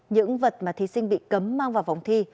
những vật mà thí sinh bị cấm mang vào vòng thi